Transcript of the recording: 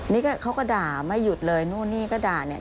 นี่ก็เขาก็ด่าไม่หยุดเลยนู่นนี่ก็ด่าเนี่ย